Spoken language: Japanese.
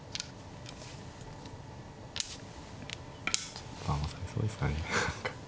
ちょっと余されそうですかね何か。